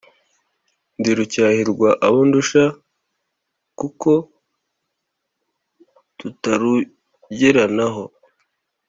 ndi Rucyahirwa abo ndusha, kukotutarugeranaho